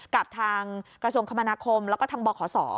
กับทางกระทรวงคมนาคมแล้วก็ทางบขศ